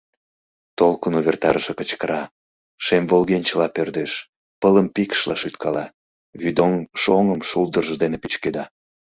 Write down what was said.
Толкын увертарыше кычкыра, шем волгенчыла пӧрдеш, пылым пикшла шӱткала, вӱдоҥ шоҥым шулдыржо дене пӱчкеда.